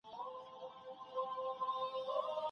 اتڼ د ړوند سړيو لخوا په بې ډاره توګه له ږیري سره کیږي.